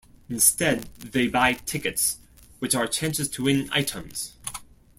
Instead, they buy tickets, which are chances to win items.